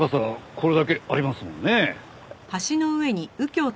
これだけありますもんね。